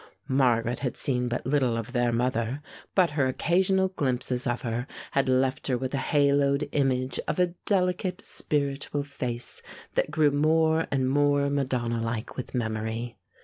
Margaret had seen but little of their mother, but her occasional glimpses of her had left her with a haloed image of a delicate, spiritual face that grew more and more Madonna like with memory.